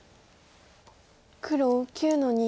黒９の二。